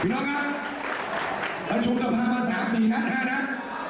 พี่น้องนครับตั๋วทุกค้ามาสามสี่ห้านาน